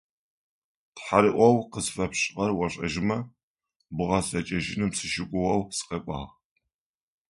Тхьэрыӏоу къысфэпшӏыгъэр ошӏэжьымэ, бгъэцэкӏэжьыным сыщыгугъэу сыкъэкӏуагъ.